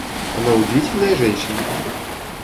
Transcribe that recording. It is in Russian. Она удивительная женщина.